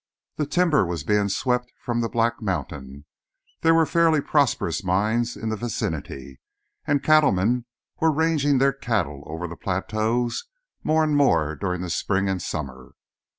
The timber was being swept from the Black Mountain; there were fairly prosperous mines in the vicinity; and cattlemen were ranging their cows over the plateaus more and more during the spring and summer.